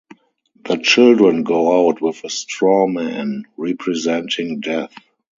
The children go out with a straw-man representing Death.